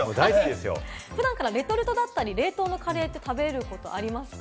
普段からレトルトだったり、冷凍のカレーって食べることありますか？